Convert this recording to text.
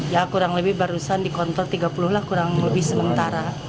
ya kurang lebih barusan di kontor tiga puluh lah kurang lebih sementara